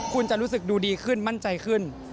คุณจะรู้สึกดูดีขึ้นมั่นใจขึ้น